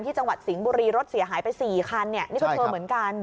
จังหวัดสิงห์บุรีรถเสียหายไป๔คันเนี่ยนี่ก็เธอเหมือนกัน